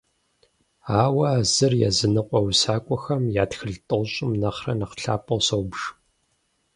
Ауэ а зыр языныкъуэ усакӀуэхэм я тхылъ тӀощӀым нэхърэ нэхъ лъапӀэу собж.